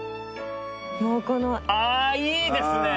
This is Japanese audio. もうこのああいいですね